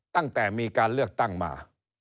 ตั้งแต่มีการเลือกตั้งมา